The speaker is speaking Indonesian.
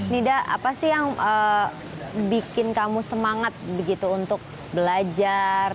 nida apa sih yang bikin kamu semangat begitu untuk belajar